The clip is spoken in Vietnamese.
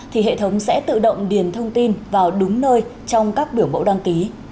thì hệ thống sẽ tự động điền thông tin vào đúng định danh điện tử